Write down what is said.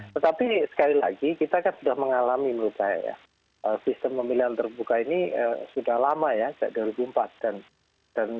tetapi sekali lagi kita kan sudah mengalami menurut saya ya sistem pemilihan terbuka ini sudah lama ya sejak dua ribu empat belas